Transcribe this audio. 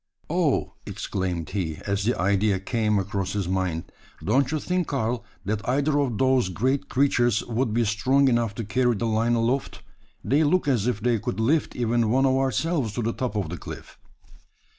"Oh!" exclaimed he, as the idea came across his mind, "don't you think, Karl, that either of those great creatures would be strong enough to carry the line aloft? They look as if they could lift even one of ourselves to the top of the cliff."